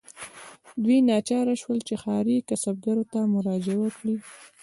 دوی ناچاره شول چې ښاري کسبګرو ته مراجعه وکړي.